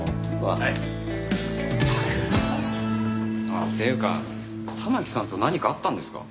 あっっていうか環さんと何かあったんですか？